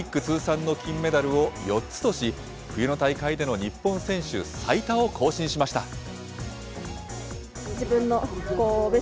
通算の金メダルを４つとし、冬の大会での日本選手最多を更新しました。